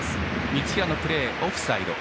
三平のプレー、オフサイド。